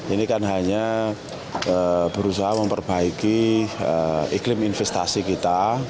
ini kan hanya berusaha memperbaiki iklim investasi kita